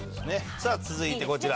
さあ続いてこちら。